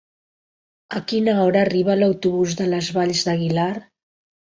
A quina hora arriba l'autobús de les Valls d'Aguilar?